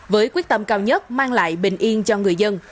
với quyết tâm cao nhất mang lại bình yên cho người dân